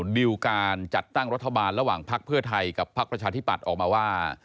ดิวการจัดตั้งรัฐบาลระหว่างพักเพื่อไทยกับพักประชาธิปัตย์ออกมาว่า